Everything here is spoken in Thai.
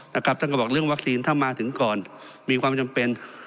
ท่านก็บอกเรื่องวัคซีนถ้ามาถึงก่อนมีความจำเป็น